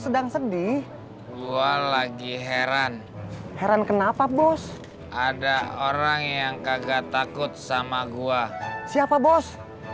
sedang sedih gua lagi heran heran kenapa bos ada orang yang kagak takut sama gue siapa bos